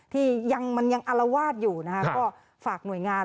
ที่ยังมันยังอารวาสอยู่นะคะก็ฝากหน่วยงาน